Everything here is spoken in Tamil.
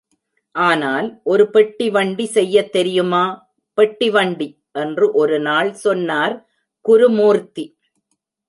ஆனால், ஒரு பெட்டி வண்டி செய்யத் தெரியுமா, பெட்டி வண்டி? என்று ஒருநாள் சொன்னார் குருமூர்த்தி.